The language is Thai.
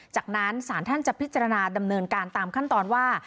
จากนั้นศาลท่านจะพิจารณาดำเนินการตามขั้นตอนว่า